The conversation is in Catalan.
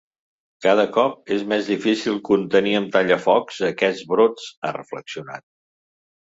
Cada cop és més difícil contenir amb tallafocs aquests brots ha reflexionat.